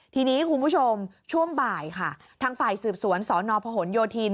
ทีนี้คุณผู้ชมช่วงบ่ายค่ะทางฝ่ายสืบสวนสนพหนโยธิน